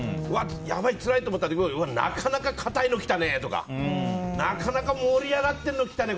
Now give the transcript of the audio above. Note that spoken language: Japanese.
やばい、つらいと思ったらなかなか、かたいのきたねとかなかなか盛り上がってるのきたね